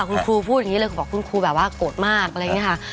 คุณครูพูดอย่างนี้เลยบอกคุณครูแบบว่าโกรธมากอะไรอย่างนี้ค่ะ